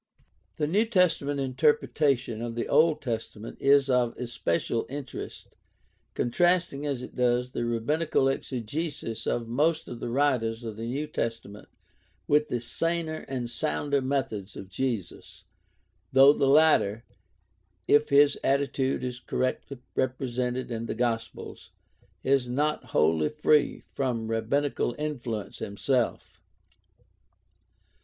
The New Testam ent interpretation of the Old Testament is of especial interest, contrasting as it does the rabbinical exegesis of most of the writers of the New Testament with the saner and sounder methods of Jesus, though the latter, if his attitude is correctly represented in the gospels, is not wholly free from rabbinical influence himself.